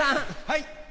はい。